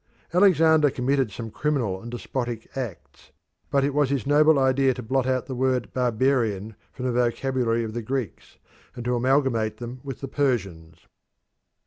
Alexander committed some criminal and despotic acts, but it was his noble idea to blot out the word "barbarian" from the vocabulary of the Greeks, and to amalgamate them with the Persians.